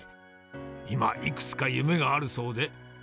今いくつか夢があるそうで。